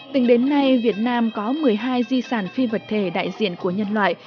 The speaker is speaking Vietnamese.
tính đến nay việt nam có một mươi hai di sản phi vật thể đại diện của nhân loại